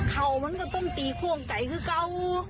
เขามันก็ต้องตีควงไก่คือเก่า